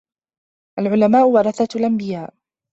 العلماء ورثة الأنبياء